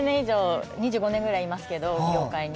２５年ぐらいいますけど、この業界に。